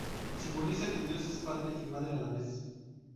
Simboliza que Dios es padre y madre a la vez.